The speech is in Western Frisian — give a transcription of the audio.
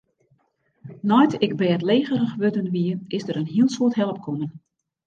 Nei't ik bêdlegerich wurden wie, is der in hiel soad help kommen.